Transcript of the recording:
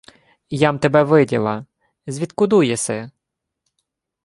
— І я-м тебе виділа. Звідкуду єси?